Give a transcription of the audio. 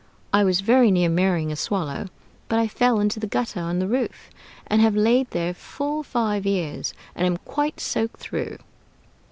I was very near marrying a swallow, but I fell into the gutter on the roof, and have laid there full five years, and am quite soaked through.